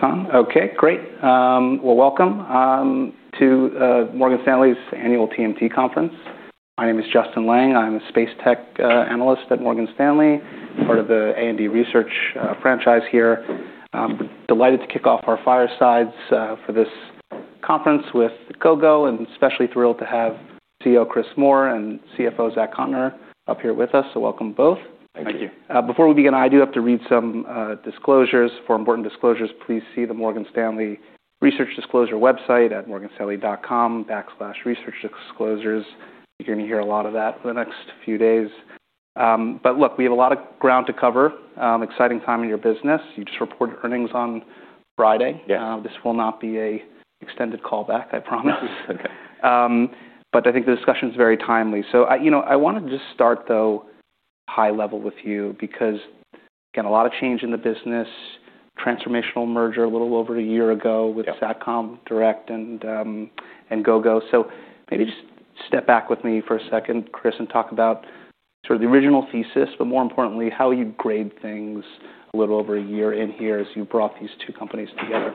Mic's on? Okay, great. Well welcome to Morgan Stanley's Annual TMT Conference. My name is Justin Lang. I'm a space tech analyst at Morgan Stanley, part of the A&D research franchise here. Delighted to kick off our firesides for this conference with Gogo, and especially thrilled to have CEO Chris Moore and CFO Zachary Cotner up here with us. Welcome both. Thank you. Thank you. Before we begin, I do have to read some disclosures. For important disclosures, please see the Morgan Stanley Research Disclosure website at morganstanley.com/researchdisclosures. You're gonna hear a lot of that for the next few days. Look, we have a lot of ground to cover, exciting time in your business. You just reported earnings on Friday. Yeah. This will not be a extended call back, I promise. Okay. I think the discussion's very timely. I, you know, I wanna just start though high level with you because, again, a lot of change in the business, transformational merger a little over a year ago. Yeah... with Satcom Direct and Gogo. Maybe just step back with me for a second, Chris, and talk about sort of the original thesis, but more importantly, how you grade things a little over a year in here as you brought these two companies together.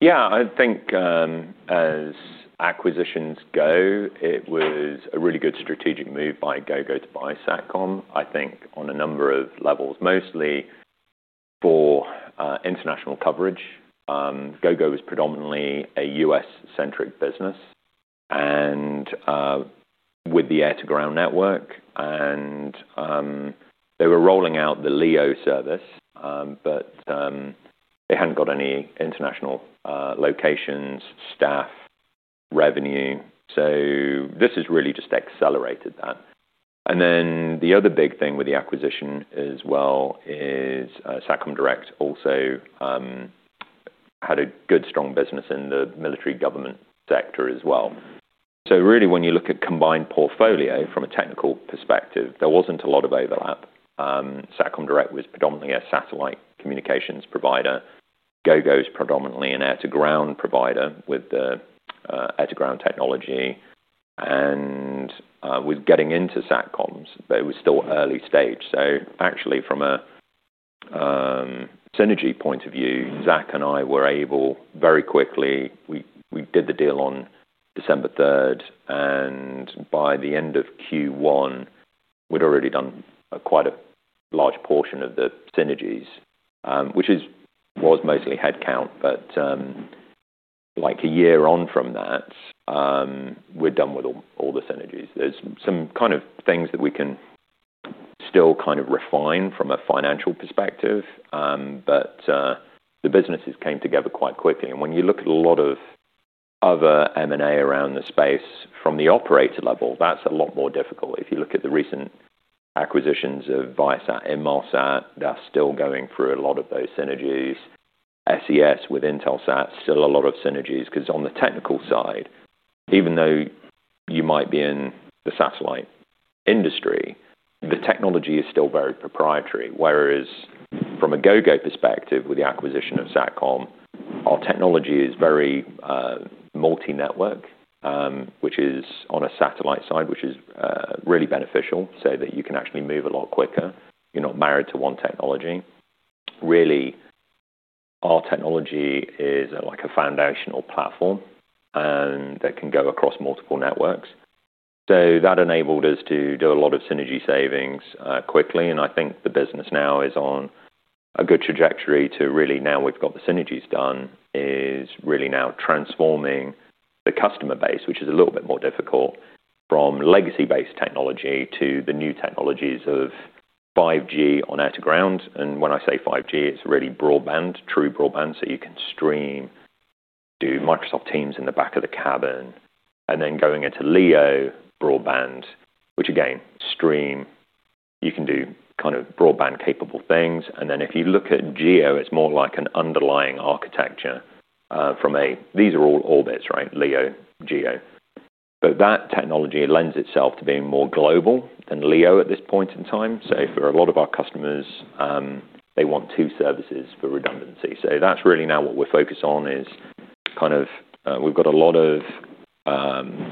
Yeah. I think, as acquisitions go, it was a really good strategic move by Gogo to buy Satcom, I think, on a number of levels. Mostly for international coverage. Gogo was predominantly a U.S.-centric business and with the air-to-ground network and they were rolling out the LEO service, but they hadn't got any international locations, staff, revenue. This has really just accelerated that. The other big thing with the acquisition as well is Satcom Direct also had a good strong business in the military government sector as well. Really when you look at combined portfolio from a technical perspective, there wasn't a lot of overlap. Satcom Direct was predominantly a satellite communications provider. Gogo's predominantly an air-to-ground provider with the air-to-ground technology and was getting into Satcoms, but it was still early stage. Actually from a synergy point of view, Zachary and I were able very quickly. We did the deal on December third, and by the end of Q1, we'd already done quite a large portion of the synergies, which was mostly headcount. Like a year on from that, we're done with all the synergies. There's some kind of things that we can still kind of refine from a financial perspective. The businesses came together quite quickly. When you look at a lot of other M&A around the space from the operator level, that's a lot more difficult. If you look at the recent acquisitions of Viasat, Inmarsat, they're still going through a lot of those synergies. SES with Intelsat, still a lot of synergies. 'Cause on the technical side, even though you might be in the satellite industry, the technology is still very proprietary. Whereas from a Gogo perspective with the acquisition of Satcom, our technology is very multi-network, which is on a satellite side, which is really beneficial so that you can actually move a lot quicker. You're not married to one technology. Really, our technology is like a foundational platform and that can go across multiple networks. That enabled us to do a lot of synergy savings quickly, and I think the business now is on a good trajectory to really now we've got the synergies done, is really now transforming the customer base, which is a little bit more difficult from legacy-based technology to the new technologies of 5G on air to ground. When I say 5G, it's really broadband, true broadband, so you can stream, do Microsoft Teams in the back of the cabin. Then going into LEO broadband, which again, stream, you can do kind of broadband capable things. Then if you look at GEO, it's more like an underlying architecture. These are all orbits, right? LEO, GEO. That technology lends itself to being more global than LEO at this point in time. For a lot of our customers, they want two services for redundancy. That's really now what we're focused on is kind of, we've got a lot of,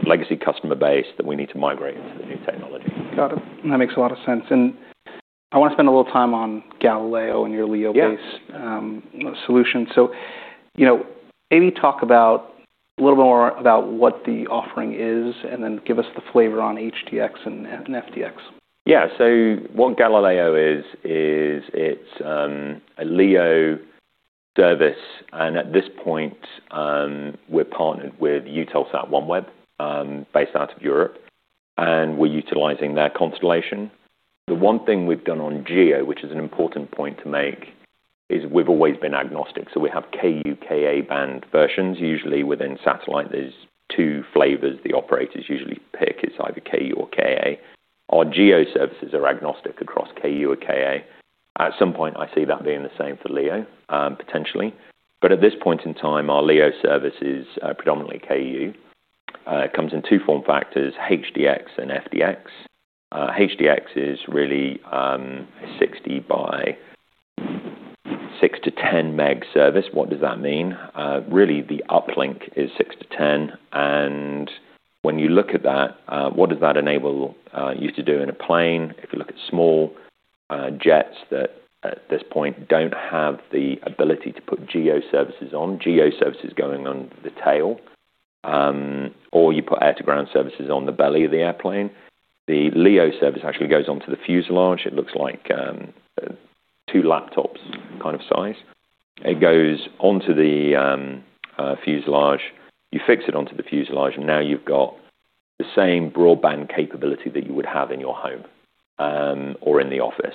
legacy customer base that we need to migrate into the new technology. Got it. That makes a lot of sense. I wanna spend a little time on Galileo and your LEO. Yeah... solution. you know, maybe talk about a little more about what the offering is and then give us the flavor on HDX and FDX. What Gogo Galileo is it's a LEO service. At this point, we're partnered with Eutelsat OneWeb, based out of Europe, and we're utilizing their constellation. The one thing we've done on GEO, which is an important point to make, is we've always been agnostic. We have Ku-band, Ka-band versions. Usually within satellite, there's two flavors the operators usually pick. It's either Ku-band or Ka-band. Our GEO services are agnostic across Ku-band or Ka-band. At some point, I see that being the same for LEO, potentially. At this point in time, our LEO service is predominantly Ku-band. It comes in two form factors, HDX and FDX. HDX is really a 60 by 6 to 10 Meg service. What does that mean? Really the uplink is 6 to 10. When you look at that, what does that enable you to do in a plane? If you look at small jets that at this point don't have the ability to put GEO services on, GEO services going on the tail, or you put air-to-ground services on the belly of the airplane. The LEO service actually goes onto the fuselage. It looks like two laptops kind of size. It goes onto the fuselage. You fix it onto the fuselage, and now you've got the same broadband capability that you would have in your home or in the office.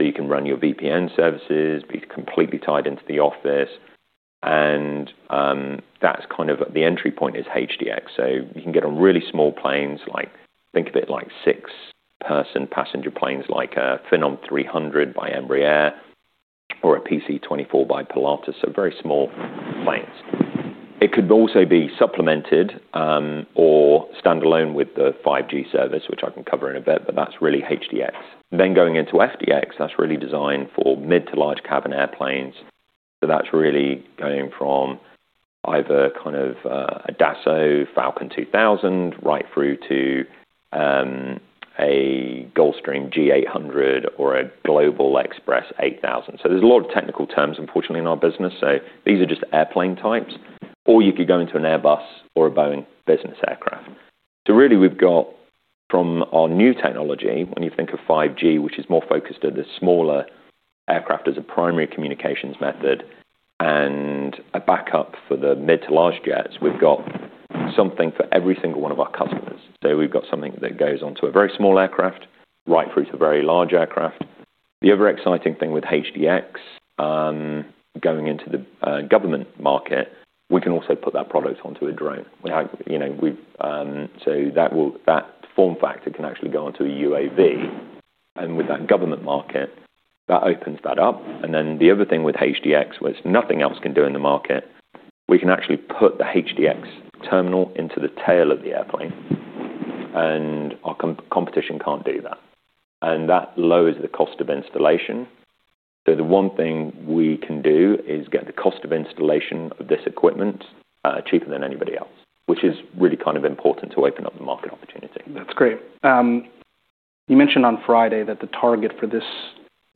You can run your VPN services, be completely tied into the office, and that's kind of. The entry point is HDX. You can get on really small planes, like think of it like 6-person passenger planes, like a Phenom 300 by Embraer or a PC-24 by Pilatus, so very small planes. It could also be supplemented, or standalone with the 5G service, which I can cover in a bit, but that's really HDX. Going into SDX, that's really designed for mid to large cabin airplanes. That's really going from either kind of a Dassault Falcon 2000 right through to a Gulfstream G800 or a Global Express 8000. There's a lot of technical terms, unfortunately, in our business. These are just airplane types. You could go into an Airbus or a Boeing business aircraft. Really we've got from our new technology, when you think of 5G, which is more focused at the smaller aircraft as a primary communications method and a backup for the mid to large jets, we've got something for every single one of our customers. We've got something that goes onto a very small aircraft right through to a very large aircraft. The other exciting thing with HDX going into the government market, we can also put that product onto a drone. We have, you know, we've. That form factor can actually go onto a UAV, and with that government market, that opens that up. The other thing with HDX, which nothing else can do in the market, we can actually put the HDX terminal into the tail of the airplane, and our com-competition can't do that, and that lowers the cost of installation. The one thing we can do is get the cost of installation of this equipment, cheaper than anybody else, which is really kind of important to open up the market opportunity. That's great. You mentioned on Friday that the target for this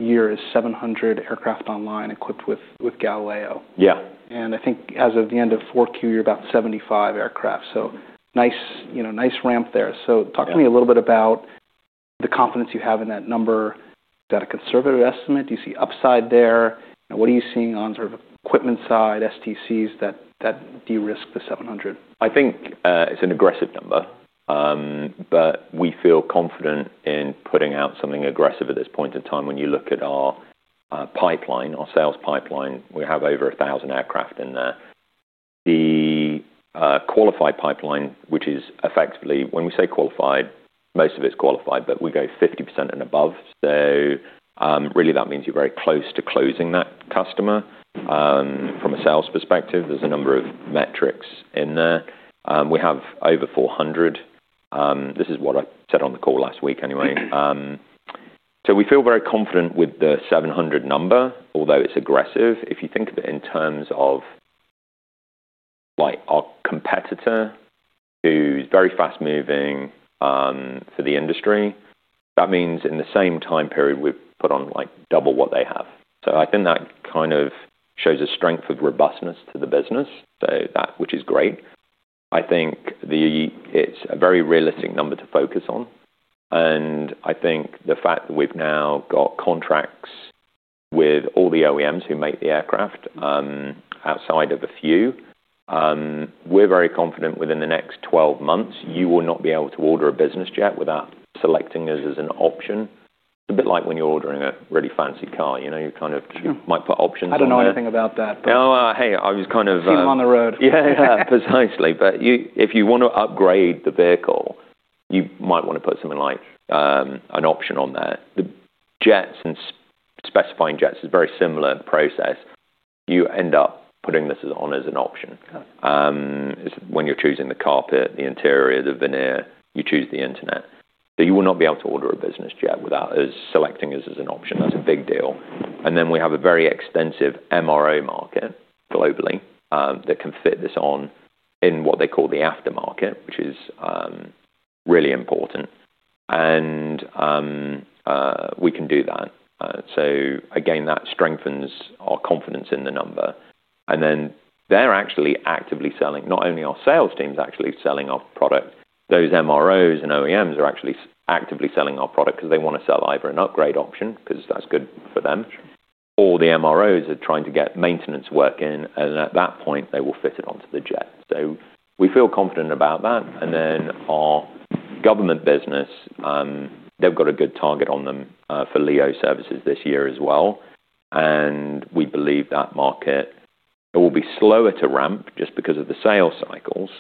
year is 700 aircraft online equipped with Galileo. Yeah. I think as of the end of 4Q, you're about 75 aircraft. Nice, you know, nice ramp there. Yeah. Talk to me a little bit about the confidence you have in that number. Is that a conservative estimate? Do you see upside there? What are you seeing on sort of equipment side STCs that de-risk the 700? I think it's an aggressive number, but we feel confident in putting out something aggressive at this point in time. When you look at our pipeline, our sales pipeline, we have over 1,000 aircraft in there. The qualified pipeline, which is effectively. When we say qualified, most of it's qualified, but we go 50% and above. Really that means you're very close to closing that customer from a sales perspective. There's a number of metrics in there. We have over 400. This is what I said on the call last week anyway. We feel very confident with the 700 number, although it's aggressive. If you think of it in terms of like our competitor, who's very fast-moving, for the industry, that means in the same time period, we've put on like double what they have. I think that kind of shows a strength of robustness to the business. That, which is great. I think the, it's a very realistic number to focus on, and I think the fact that we've now got contracts with all the OEMs who make the aircraft, outside of a few, we're very confident within the next 12 months, you will not be able to order a business jet without selecting us as an option. A bit like when you're ordering a really fancy car, you know, You might put options on there. I don't know anything about that. No. Hey, I was kind of. Few and far on the road. Yeah. Precisely. You, if you want to upgrade the vehicle, you might want to put something like an option on there. The jets and specifying jets is a very similar process. You end up putting this as, on as an option. Yeah. When you're choosing the carpet, the interior, the veneer, you choose the internet. You will not be able to order a business jet without us, selecting us as an option. That's a big deal. Then we have a very extensive MRO market globally, that can fit this on in what they call the aftermarket, which is really important. We can do that. Again, that strengthens our confidence in the number. Then they're actually actively selling. Not only our sales team's actually selling our product, those MROs and OEMs are actually actively selling our product because they want to sell either an upgrade option because that's good for them. Sure or the MROs are trying to get maintenance work in, at that point, they will fit it onto the jet. We feel confident about that. Our government business, they've got a good target on them, for LEO services this year as well. We believe that market will be slower to ramp just because of the sales cycles.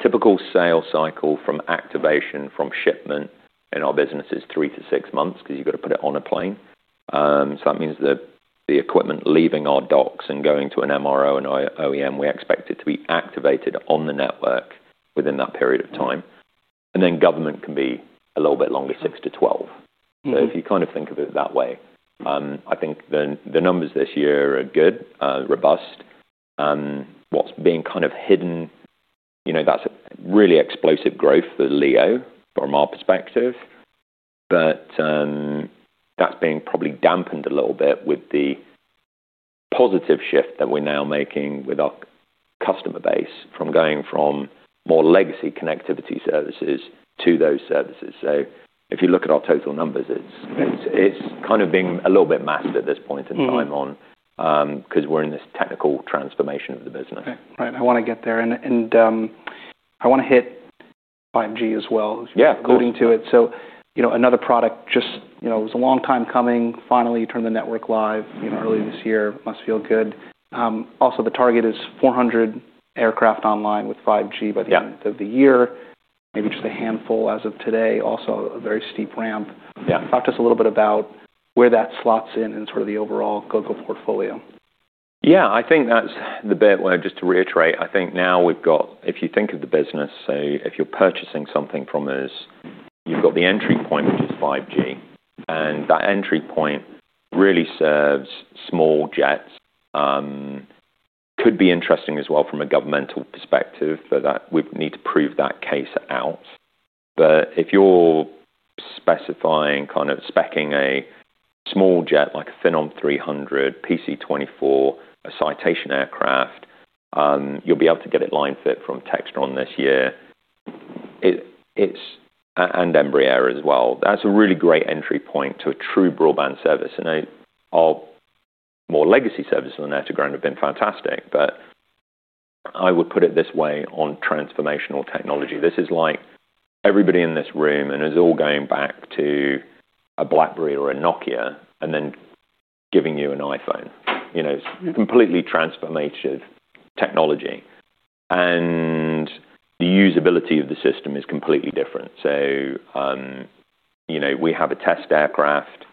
Typical sales cycle from activation from shipment in our business is three to six months because you've got to put it on a plane. That means the equipment leaving our docks and going to an MRO and OEM, we expect it to be activated on the network within that period of time. And then government can be a little bit longer, six to 12. Mm-hmm. If you kind of think of it that way, I think then the numbers this year are good, robust. What's being kind of hidden, you know, that's really explosive growth for LEO from our perspective. That's being probably dampened a little bit with the positive shift that we're now making with our customer base from going from more legacy connectivity services to those services. If you look at our total numbers, it's kind of being a little bit masked at this point in time on- Mm-hmm... 'cause we're in this technical transformation of the business. Okay. Right. I wanna get there. I wanna hit 5G as well. Yeah. According to it. You know, another product just, you know, it was a long time coming. Finally, you turned the network live, you know, early this year. Must feel good. Also the target is 400 aircraft online with 5G. Yeah... end of the year. Maybe just a handful as of today. A very steep ramp. Yeah. Talk to us a little bit about where that slots in sort of the overall Gogo portfolio. Yeah. I think that's the bit where just to reiterate, I think now we've got... If you think of the business, say, if you're purchasing something from us, you've got the entry point, which is 5G. That entry point really serves small jets. Could be interesting as well from a governmental perspective, but that we need to prove that case out. If you're specifying, kind of speccing a small jet like a Phenom 300, PC-24, a Citation aircraft, you'll be able to get it line fit from Textron this year. Embraer as well. That's a really great entry point to a true broadband service. Our more legacy service on air-to-ground have been fantastic, but I would put it this way on transformational technology. This is like everybody in this room, and is all going back to a BlackBerry or a Nokia, and then giving you an iPhone. You know, it's completely transformative technology, and the usability of the system is completely different. You know, we have a test aircraft,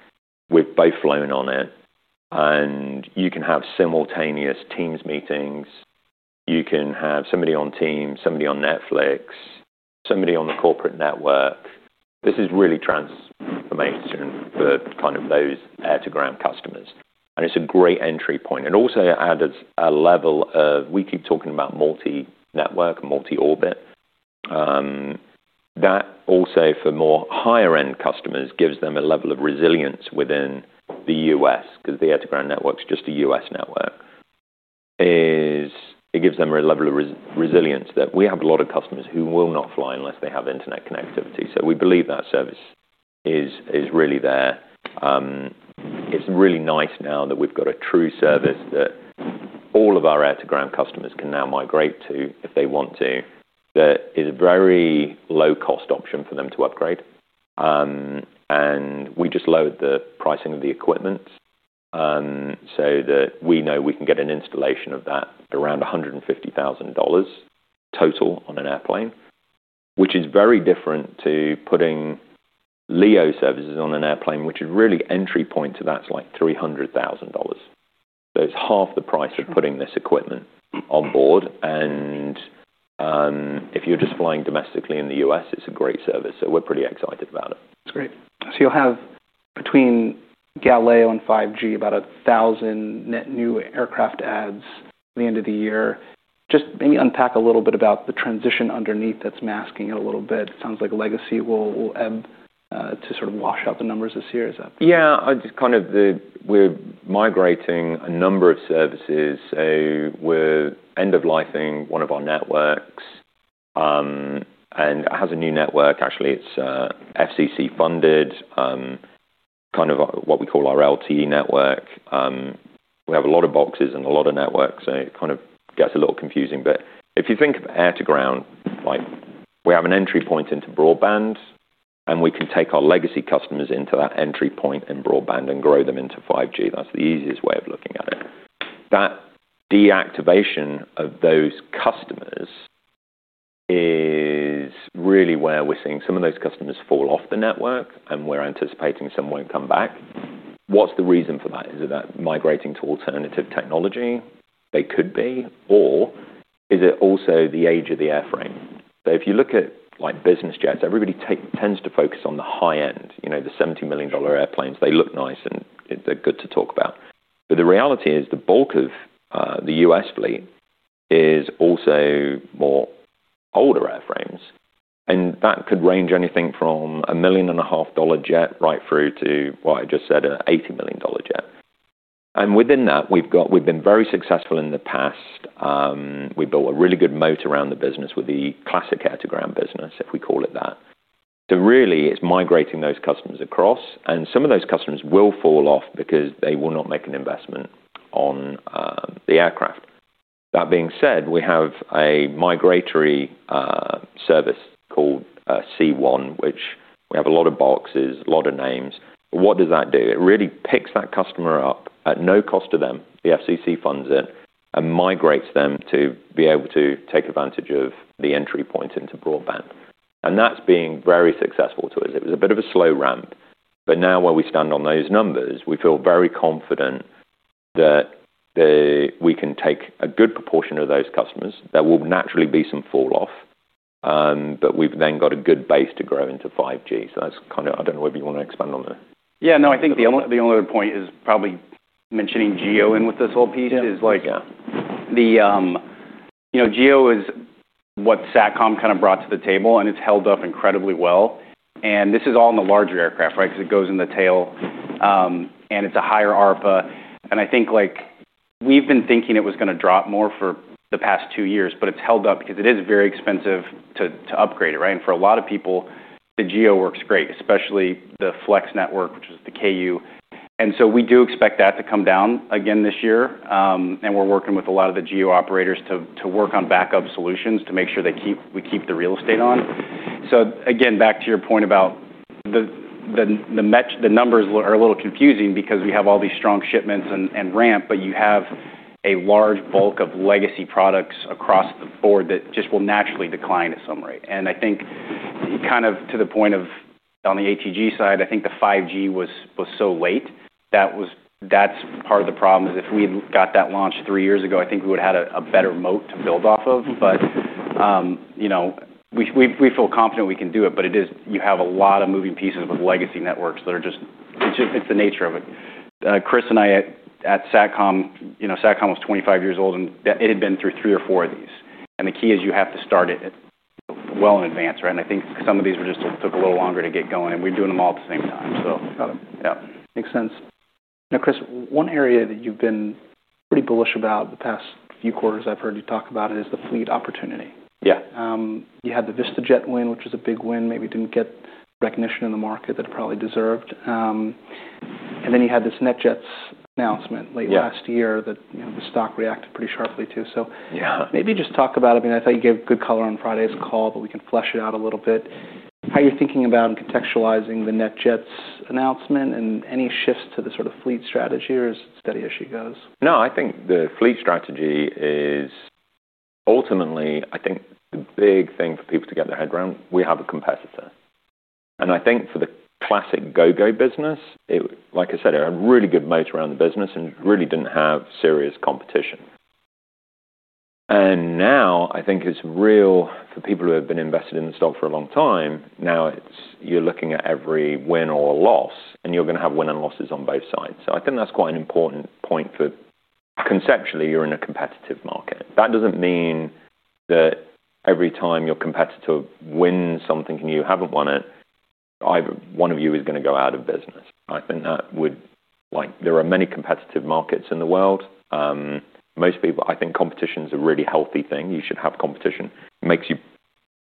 we've both flown on it, and you can have simultaneous Teams meetings, you can have somebody on Teams, somebody on Netflix, somebody on the corporate network. This is really transformation for kind of those air-to-ground customers, and it's a great entry point. It also adds a level of, we keep talking about multi-network, multi-orbit. That also for more higher end customers, gives them a level of resilience within the U.S. 'cause the air-to-ground network's just a U.S. network. Is it gives them a level of resilience that we have a lot of customers who will not fly unless they have internet connectivity. We believe that service is really there. It's really nice now that we've got a true service that all of our air-to-ground customers can now migrate to if they want to. That is a very low cost option for them to upgrade. We just load the pricing of the equipment, so that we know we can get an installation of that around $150,000 total on an airplane, which is very different to putting LEO services on an airplane, which is really entry point to that's like $300,000. It's half the price of putting this equipment on board. If you're just flying domestically in the U.S., it's a great service. We're pretty excited about it. That's great. You'll have between Galileo and 5G about 1,000 net new aircraft adds by the end of the year. Just maybe unpack a little bit about the transition underneath that's masking it a little bit. Sounds like a legacy will ebb to sort of wash out the numbers this year. Is that? We're migrating a number of services. We're end of lifing one of our networks and has a new network. Actually, it's FCC funded, kind of what we call our LTE network. We have a lot of boxes and a lot of networks, so it kind of gets a little confusing. If you think of air-to-ground, like we have an entry point into broadband, and we can take our legacy customers into that entry point in broadband and grow them into 5G. That's the easiest way of looking at it. That deactivation of those customers is really where we're seeing some of those customers fall off the network, and we're anticipating some won't come back. What's the reason for that? Is it that migrating to alternative technology? They could be. Is it also the age of the airframe? If you look at like business jets, everybody tends to focus on the high end, you know, the $70 million airplanes. They look nice and they're good to talk about. The reality is the bulk of the U.S. fleet is also more older airframes. That could range anything from a million and a half dollar jet right through to what I just said, an $80 million jet. Within that, we've been very successful in the past. We built a really good moat around the business with the classic air-to-ground business, if we call it that. Really, it's migrating those customers across, and some of those customers will fall off because they will not make an investment on the aircraft. That being said, we have a migratory service called C one, which we have a lot of boxes, a lot of names. What does that do? It really picks that customer up at no cost to them, the FCC funds it, and migrates them to be able to take advantage of the entry point into broadband. That's been very successful to us. It was a bit of a slow ramp, but now where we stand on those numbers, we feel very confident We can take a good proportion of those customers. There will naturally be some fall off, but we've then got a good base to grow into 5G. That's kinda. I don't know whether you wanna expand on that. No, I think the only other point is probably mentioning GEO in with this whole piece. Yeah. Is like the, you know, GEO is what Satcom kind of brought to the table. It's held up incredibly well. This is all in the larger aircraft, right? 'Cause it goes in the tail. It's a higher ARPA. I think, like, we've been thinking it was gonna drop more for the past two years, but it's held up because it is very expensive to upgrade it, right? For a lot of people, the GEO works great, especially the FlexExec network, which is the KU. We do expect that to come down again this year. We're working with a lot of the GEO operators to work on backup solutions to make sure we keep the real estate on. Again, back to your point about the numbers are a little confusing because we have all these strong shipments and ramp, but you have a large bulk of legacy products across the board that just will naturally decline at some rate. I think kind of to the point of on the ATG side, I think the 5G was so late. That's part of the problem is if we had got that launched three years ago, I think we would've had a better moat to build off of. You know, we feel confident we can do it, but it is. You have a lot of moving pieces with legacy networks that are just, it's just, it's the nature of it. Chris and I at Satcom, you know, Satcom was 25 years old, and it had been through three or four of these. The key is you have to start it at well in advance, right? I think some of these were just, took a little longer to get going, and we're doing them all at the same time. Got it. Yeah. Makes sense. Chris, one area that you've been pretty bullish about the past few quarters I've heard you talk about is the fleet opportunity. Yeah. You had the VistaJet win, which was a big win, maybe didn't get recognition in the market that it probably deserved. Then you had this NetJets announcement late last year. Yeah ...that, you know, the stock reacted pretty sharply to. Yeah I mean, I thought you gave good color on Friday's call, but we can flesh it out a little bit. How you're thinking about and contextualizing the NetJets announcement and any shifts to the sort of fleet strategy, or is it steady as she goes? No, I think the fleet strategy is ultimately, I think, the big thing for people to get their head around. We have a competitor. I think for the classic Gogo business, like I said, it had really good moat around the business and really didn't have serious competition. Now I think it's real for people who have been invested in the stock for a long time. Now it's, you're looking at every win or loss, and you're gonna have win and losses on both sides. I think that's quite an important point for conceptually, you're in a competitive market. That doesn't mean that every time your competitor wins something and you haven't won it, either one of you is gonna go out of business. I think that would. Like, there are many competitive markets in the world. Most people, I think competition is a really healthy thing. You should have competition. It makes you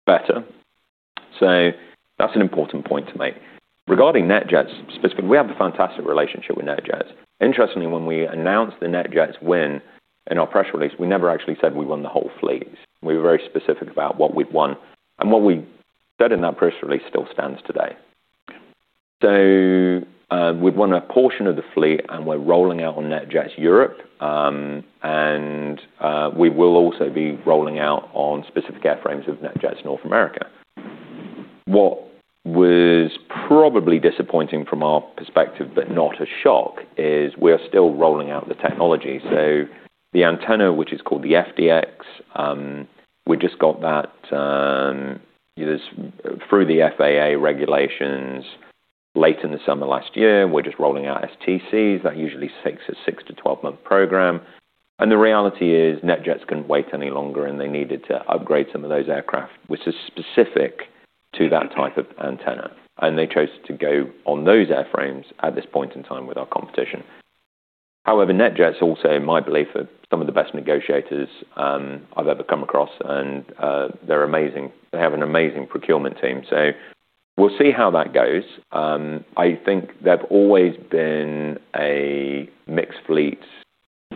better. That's an important point to make. Regarding NetJets specific, we have a fantastic relationship with NetJets. Interestingly, when we announced the NetJets win in our press release, we never actually said we won the whole fleet. We were very specific about what we'd won, and what we said in that press release still stands today. We've won a portion of the fleet, and we're rolling out on NetJets Europe. We will also be rolling out on specific airframes of NetJets North America. What was probably disappointing from our perspective, but not a shock, is we're still rolling out the technology. The antenna, which is called the FDX, we just got that this through the FAA regulations late in the summer last year. We're just rolling out STCs. That usually takes a 6-12 month program. The reality is, NetJets couldn't wait any longer, and they needed to upgrade some of those aircraft, which is specific to that type of antenna. They chose to go on those airframes at this point in time with our competition. NetJets also, in my belief, are some of the best negotiators I've ever come across, and they're amazing. They have an amazing procurement team. We'll see how that goes. I think they've always been a mixed fleet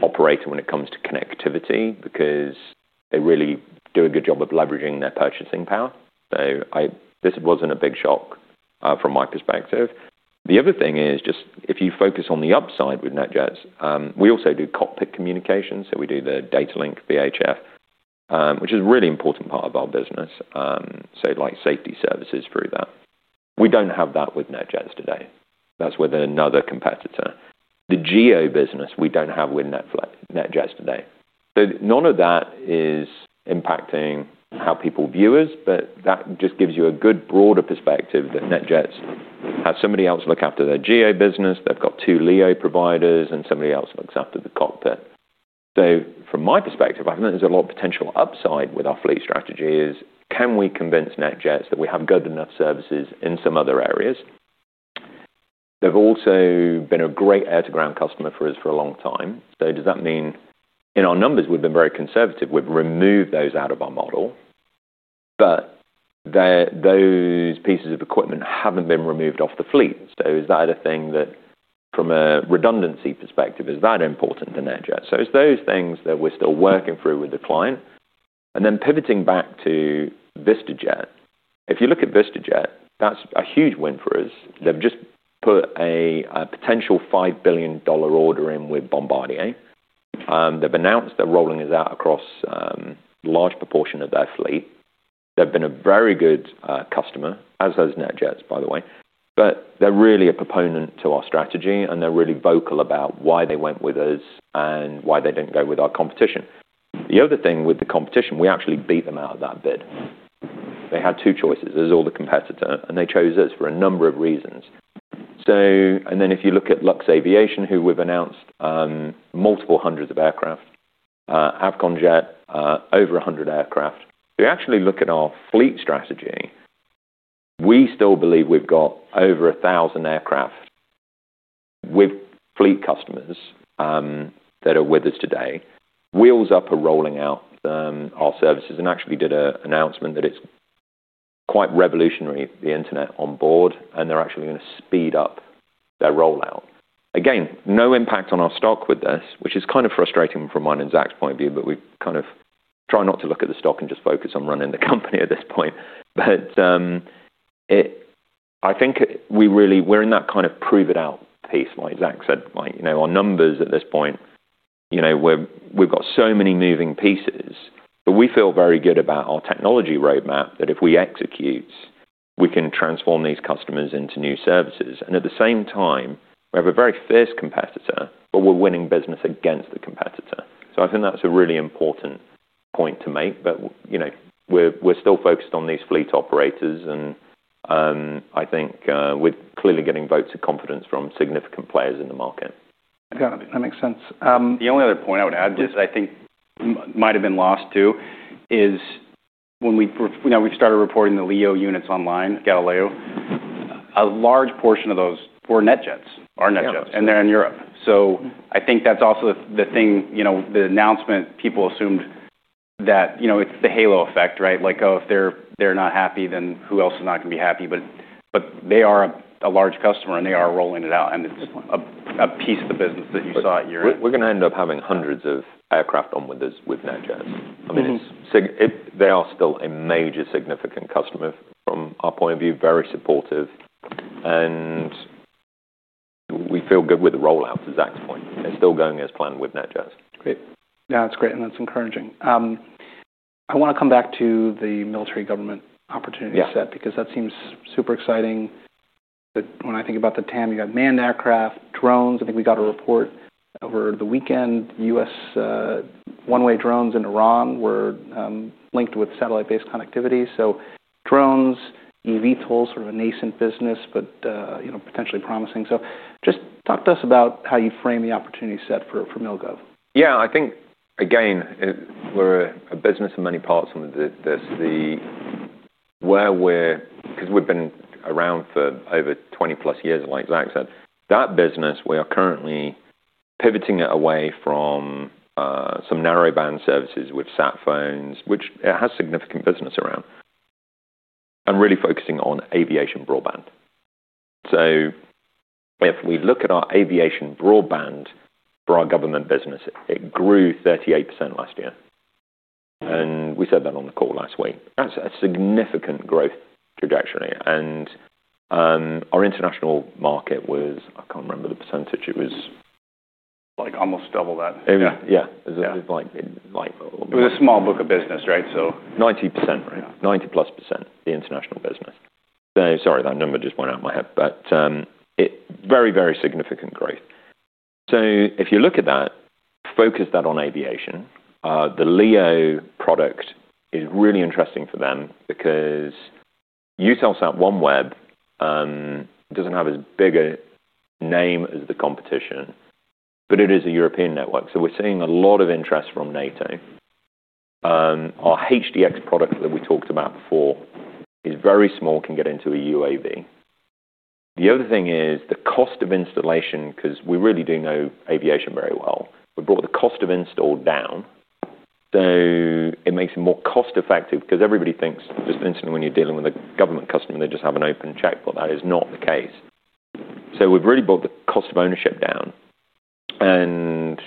operator when it comes to connectivity because they really do a good job of leveraging their purchasing power. This wasn't a big shock from my perspective. The other thing is just if you focus on the upside with NetJets, we also do cockpit communications, so we do the data link VHF, which is a really important part of our business, like safety services through that. We don't have that with NetJets today. That's with another competitor. The GEO business, we don't have with NetJets today. None of that is impacting how people view us, but that just gives you a good broader perspective that NetJets have somebody else look after their GEO business. They've got two LEO providers, and somebody else looks after the cockpit. From my perspective, I think there's a lot of potential upside with our fleet strategy is, can we convince NetJets that we have good enough services in some other areas? They've also been a great air-to-ground customer for us for a long time. Does that mean? In our numbers, we've been very conservative. We've removed those out of our model, but those pieces of equipment haven't been removed off the fleet. Is that a thing that from a redundancy perspective, is that important to NetJets? It's those things that we're still working through with the client. Then pivoting back to VistaJet. If you look at VistaJet, that's a huge win for us. They've just put a potential $5 billion order in with Bombardier. They've announced they're rolling it out across a large proportion of their fleet. They've been a very good customer, as has NetJets, by the way. They're really a proponent to our strategy, and they're really vocal about why they went with us and why they didn't go with our competition. The other thing with the competition, we actually beat them out of that bid. They had two choices. It was all the competitor, and they chose us for a number of reasons. If you look at Luxaviation, who we've announced, multiple hundreds of aircraft, Avcon Jet, over 100 aircraft. If you actually look at our fleet strategy, we still believe we've got over 1,000 aircraft with fleet customers that are with us today. Wheels Up are rolling out our services, and actually did a announcement that it's quite revolutionary, the internet on board, and they're actually gonna speed up their rollout. No impact on our stock with this, which is kind of frustrating from mine and Zachary's point of view, we kind of try not to look at the stock and just focus on running the company at this point. I think we're in that kind of prove-it-out phase, liaryke Zachary said. Like, you know, our numbers at this point, you know, we've got so many moving pieces, but we feel very good about our technology roadmap that if we execute, we can transform these customers into new services. At the same time, we have a very fierce competitor, but we're winning business against the competitor. I think that's a really important point to make. you know, we're still focused on these fleet operators and, I think, we're clearly getting votes of confidence from significant players in the market. Got it. That makes sense. The only other point I would add just I think might have been lost, too, is when we You know, we started reporting the LEO units online, Galileo. A large portion of those were NetJets, are NetJets, and they're in Europe. I think that's also the thing, you know, the announcement, people assumed that, you know, it's the halo effect, right? Like, oh, if they're not happy, then who else is not gonna be happy? They are a large customer, and they are rolling it out, and it's a piece of the business that you saw at year end. We're gonna end up having hundreds of aircraft on with us, with NetJets. Mm-hmm. I mean, they are still a major significant customer from our point of view, very supportive, and we feel good with the rollout to Zachary's point. It's still going as planned with NetJets. Great. No, that's great, and that's encouraging. I wanna come back to the military government opportunity. Yeah. Because that seems super exciting. When I think about the TAM, you got manned aircraft, drones. I think we got a report over the weekend, U.S., one-way drones in Iran were linked with satellite-based connectivity. Drones, EVTOL, sort of a nascent business, but, you know, potentially promising. Just talk to us about how you frame the opportunity set for Mil-Gov. I think, again, we're a business of many parts under this. 'Cause we've been around for over 20-plus years, like Zachary said. That business, we are currently pivoting it away from some narrowband services with sat phones, which it has significant business around, and really focusing on aviation broadband. If we look at our aviation broadband for our government business, it grew 38% last year. We said that on the call last week. That's a significant growth trajectory. Our international market was. I can't remember the percentage. Like, almost double that. Yeah. Yeah. It was like. It was a small book of business, right? 90%, right. 90%+, the international business. Sorry, that number just went out my head. Very, very significant growth. If you look at that, focus that on aviation, the LEO product is really interesting for them because Eutelsat OneWeb doesn't have as big a name as the competition, but it is a European network. We're seeing a lot of interest from NATO. Our HDX product that we talked about before is very small, can get into a UAV. The other thing is the cost of installation, 'cause we really do know aviation very well. We brought the cost of install down, so it makes it more cost effective because everybody thinks just instantly when you're dealing with a government customer, they just have an open check, but that is not the case. We've really brought the cost of ownership down, and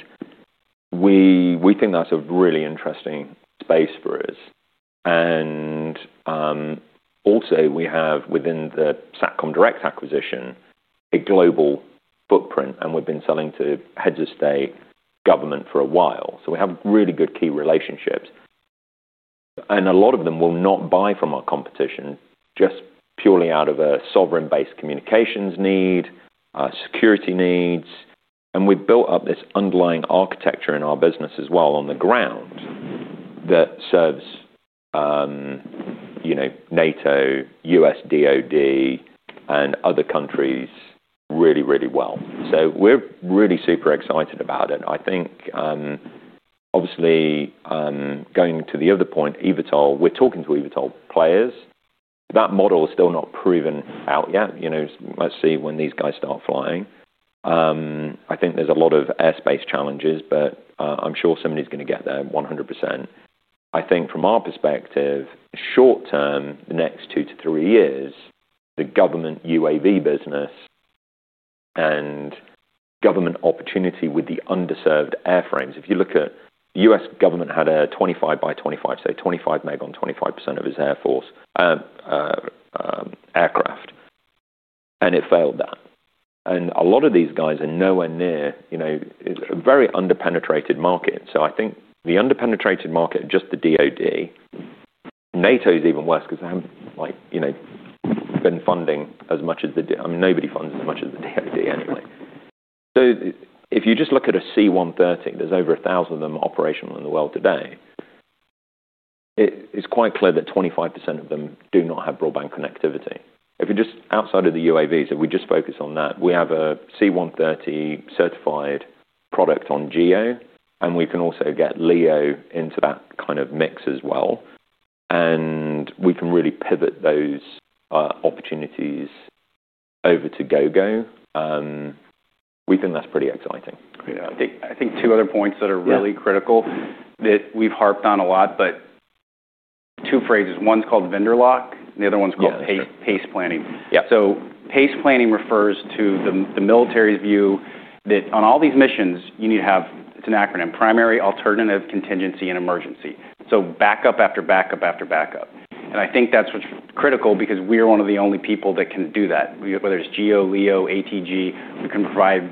we think that's a really interesting space for us. Also, we have within the Satcom Direct acquisition, a global footprint, and we've been selling to heads of state government for a while. We have really good key relationships. A lot of them will not buy from our competition just purely out of a sovereign-based communications need, security needs, and we've built up this underlying architecture in our business as well on the ground that serves, you know, NATO, U.S. DoD, and other countries really, really well. We're really super excited about it. I think, obviously, going to the other point, EVTOL, we're talking to EVTOL players. That model is still not proven out yet. You know, let's see when these guys start flying. I think there's a lot of airspace challenges. I'm sure somebody's gonna get there 100%. I think from our perspective, short term, the next two -three years, the government UAV business and government opportunity with the underserved airframes. If you look at U.S. government had a Twenty-five by Twenty-five, say 25 meg on 25% of its Air Force aircraft. It failed that. A lot of these guys are nowhere near, you know, a very under-penetrated market. I think the under-penetrated market, just the DoD. NATO is even worse because they haven't, like, you know, been funding as much as the DoD. I mean, nobody funds as much as the DoD anyway. If you just look at a C-130, there's over 1,000 of them operational in the world today. It is quite clear that 25% of them do not have broadband connectivity. Outside of the UAVs, if we just focus on that, we have a C-130 certified product on GEO. We can also get LEO into that kind of mix as well. We can really pivot those opportunities over to Gogo. We think that's pretty exciting. Yeah. I think two other points that are. Yeah. critical that we've harped on a lot, but two phrases. One's called vendor lock-in, and the other one's called- Yeah. PACE planning. Yeah. PACE planning refers to the military's view that on all these missions you need to have, it's an acronym, primary, alternative, contingency, and emergency. Backup after backup after backup. I think that's what's critical because we're one of the only people that can do that. Whether it's GEO, LEO, ATG, we can provide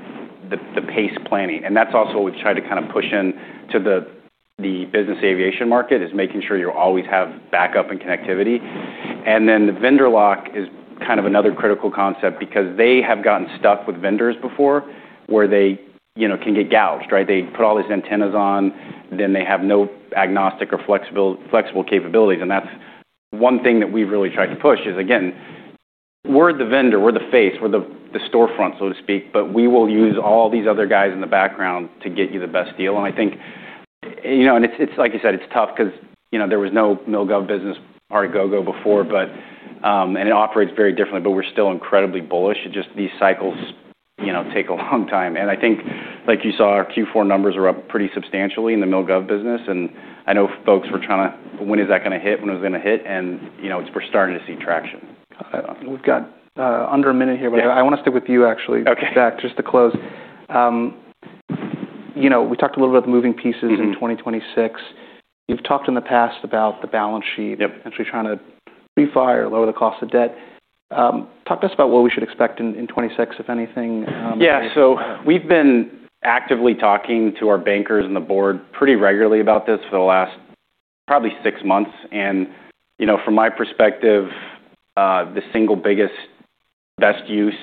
the PACE planning. That's also what we've tried to kind of push in to the business aviation market, is making sure you always have backup and connectivity. The vendor lock is kind of another critical concept because they have gotten stuck with vendors before where they, you know, can get gouged, right? They put all these antennas on, then they have no agnostic or flexible capabilities. That's one thing that we've really tried to push, is again, we're the vendor, we're the face, we're the storefront, so to speak, but we will use all these other guys in the background to get you the best deal. I think, you know, it's like you said, it's tough because, you know, there was no Mil-Gov business part of Gogo before, but it operates very differently, but we're still incredibly bullish. It's just these cycles, you know, take a long time. I think, like you saw, our Q4 numbers are up pretty substantially in the Mil-Gov business. I know folks were trying to. When is that gonna hit? When is it gonna hit? You know, we're starting to see traction. We've got under a minute here. Yeah. I want to stick with you, actually. Okay. Zachary, just to close. You know, we talked a little bit moving pieces- Mm-hmm. in 2026. You've talked in the past about the balance sheet. Yep. Actually trying to refi or lower the cost of debt. Talk to us about what we should expect in 2026, if anything? We've been actively talking to our bankers and the board pretty regularly about this for the last probably six months. You know, from my perspective, the single biggest, best use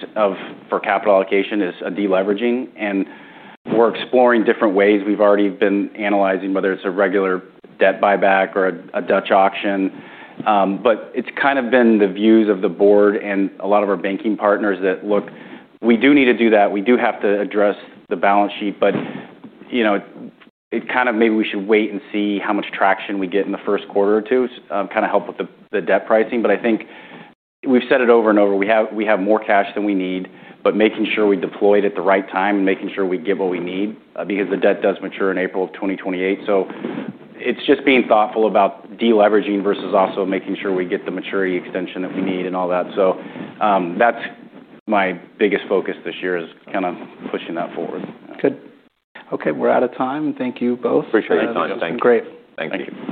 for capital allocation is a deleveraging. We're exploring different ways. We've already been analyzing whether it's a regular debt buyback or a Dutch auction. It's kind of been the views of the board and a lot of our banking partners that, look, we do need to do that. We do have to address the balance sheet. You know, it kind of maybe we should wait and see how much traction we get in the first quarter or two, kind of help with the debt pricing. I think we've said it over and over, we have more cash than we need. Making sure we deploy it at the right time and making sure we get what we need, because the debt does mature in April of 2028. It's just being thoughtful about deleveraging versus also making sure we get the maturity extension that we need and all that. That's my biggest focus this year, is kind of pushing that forward. Good. Okay, we're out of time. Thank you both. Appreciate your time. Thank you. Thank you. Great. Thank you.